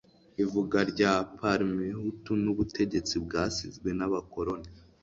ivuka rya parmehutu n'ubutegetsi bwasizwe n'abakoroni